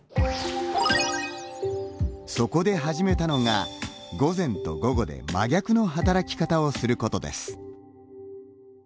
そこで始めたのが、午前と午後で真逆の働き方をすることです。